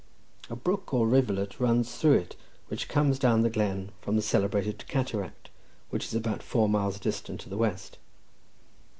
A brook, or rivulet, runs through it, which comes down the glen from the celebrated cataract, which is about four miles distant to the west.